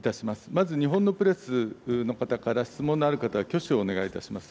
まず日本のプレスの方から、質問のある方は挙手をお願いいたします。